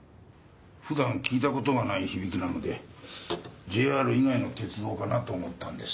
ふだん聞いたことがない響きなのでＪＲ以外の鉄道かなと思ったんです。